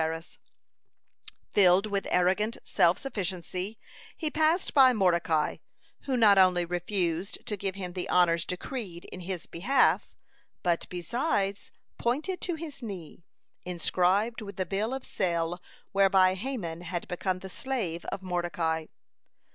(153) Filled with arrogant self sufficiency, he passed by Mordecai, who not only refused to give him the honors decreed in his behalf, but, besides, pointed to his knee, inscribed with the bill of sale whereby Haman had become the slave of Mordecai.